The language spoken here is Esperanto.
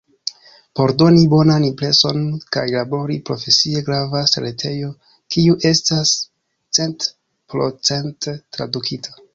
Por doni bonan impreson kaj labori profesie, gravas retejo kiu estas centprocente tradukita.